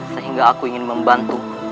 sehingga aku ingin membantu